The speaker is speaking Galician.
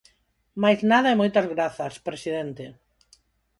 Máis nada e moitas grazas, presidente.